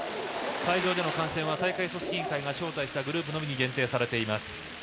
会場での観戦は大会組織委員会が招待したグループのみに限定されています。